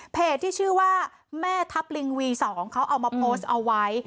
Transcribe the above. ที่ชื่อว่าแม่ทัพลิงวี๒เขาเอามาโพสต์เอาไว้